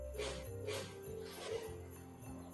Los verbos "ser" o "estar".